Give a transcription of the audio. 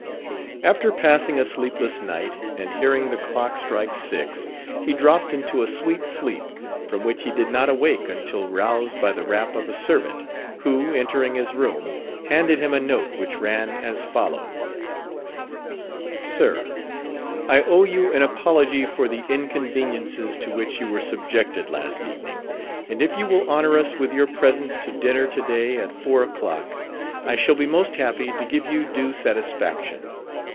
After passing a sleepless night, and hearing the clock strike six, he dropped into a sweet sleep, from which he did not awake until roused by the rap of a servant, who, entering his room, handed him a note which ran as follows: "Sir, I owe you an apology for the inconveniences to which you were subjected last evening, and if you will honour us with your presence to dinner to day at four o'clock, I shall be most happy to give you due satisfaction.